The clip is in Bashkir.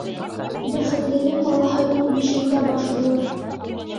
Бәхетленең балаһы ун бишендә баш булыр